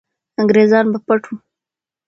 انګریزان به پټ وو.